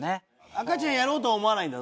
赤ちゃんやろうとは思わないんだ。